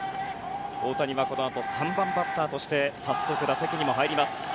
大谷はこのあと３番バッターとして早速、打席にも入ります。